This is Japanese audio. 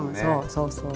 そうそう。